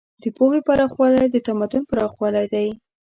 د پوهې پراخوالی د تمدن پراخوالی دی.